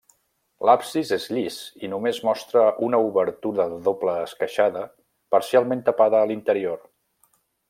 L'absis és llis i només mostra una obertura de doble esqueixada parcialment tapada l'interior.